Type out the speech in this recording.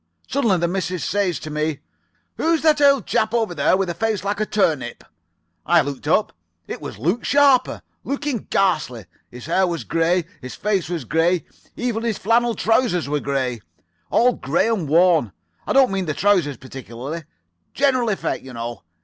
"Suddenly the missus says to me, 'Who's that old chap over there with a face like a turnip?' "I looked up. It was Luke Sharper. Looking ghastly. His hair was grey. His face was grey. Even his flannel trousers were grey. All grey and worn. I don't mean the trousers particularly. General effect, you know.